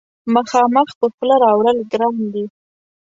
مخامخ په خوله راوړل ګران دي.